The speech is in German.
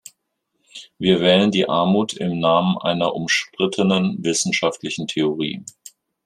Wir wählen die Armut im Namen einer umstrittenen wissenschaftlichen Theorie.